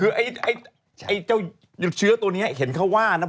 คือไอ้เจ้าเชื้อตัวนี้เห็นเขาว่านะ